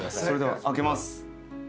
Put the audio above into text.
それでは開けます。